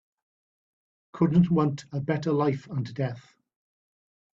Couldn't want a better life and death.